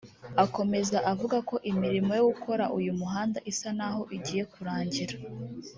Akomeza avuga ko imirimo yo gukora uyu muhanda isa n’aho igiye kurangira